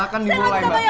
silahkan dimulai mbak